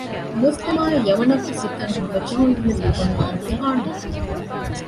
މުސްލިމާއި ޔަމަނަށްވެސް ހިތަށް ހަމަޖެހުމެއްލިބުނީ އިމްތިހާނު ނިމުމުން